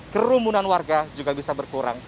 kerumunan warga juga bisa berkurang